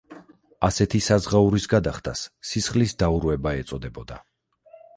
ასეთი საზღაურის გადახდას „სისხლის დაურვება“ ეწოდებოდა.